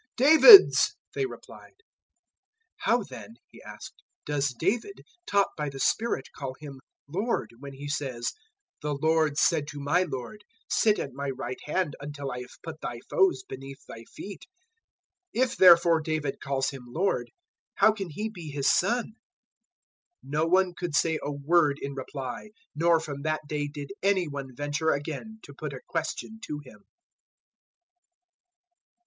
"David's," they replied. 022:043 "How then," He asked, "does David, taught by the Spirit, call Him Lord, when he says, 022:044 "`The Lord said to my Lord, sit at My right hand until I have put thy foes beneath thy feet'? 022:045 "If therefore David calls Him Lord, how can He be his son?" 022:046 No one could say a word in reply, nor from that day did any one venture again to put a question to Him.